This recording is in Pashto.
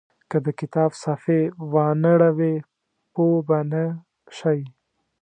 که د کتاب صفحې وانه ړوئ پوه به نه شئ.